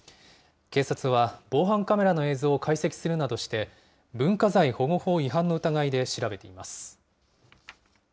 警察は防犯カメラの映像を解析するなどして、文化財保護法違反の疑いで調べています。